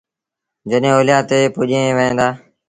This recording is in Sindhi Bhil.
جڏهيݩ اوليآ تي پُڄيٚن وهيݩ دآ